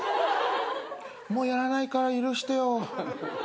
もうやらないから許してよ。